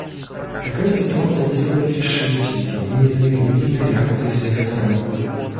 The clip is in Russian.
Такая ситуация требует решительной и незамедлительной реакции всех сторон.